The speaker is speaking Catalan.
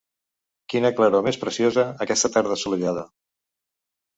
Quina claror més preciosa, aquesta tarda assolellada!